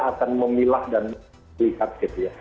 akan memilah dan membeli kaket